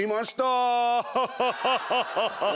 ハハハハハ。